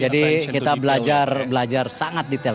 kita belajar sangat detail